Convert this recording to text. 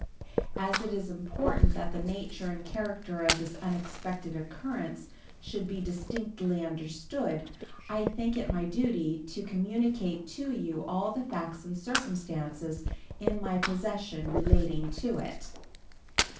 As it is important that the nature and character of this unexpected occurrence should be distinctly understood, I think it my duty to communicate to you all the facts and circumstances in my possession relating to it.